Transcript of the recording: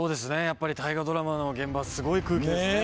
大河ドラマの現場すごい空気ですね。